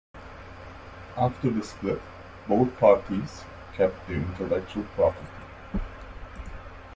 After the split, both parties kept their intellectual property.